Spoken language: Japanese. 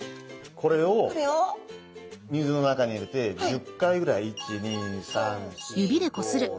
これを水の中に入れて１０回ぐらい。